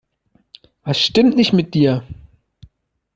Was stimmt nicht mit dir?